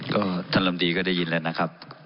ก็ท่านลำดีก็ได้ยินแล้วนะครับ